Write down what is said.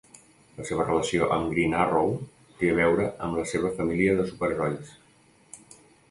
La seva relació amb Green Arrow té a veure amb la seva família de superherois.